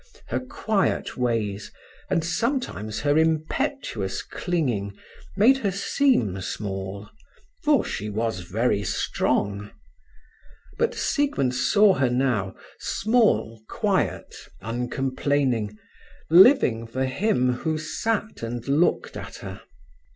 Her quiet ways, and sometimes her impetuous clinging made her seem small; for she was very strong. But Siegmund saw her now, small, quiet, uncomplaining, living for him who sat and looked at her.